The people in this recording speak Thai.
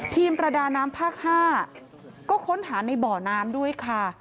ประดาน้ำภาค๕ก็ค้นหาในบ่อน้ำด้วยค่ะ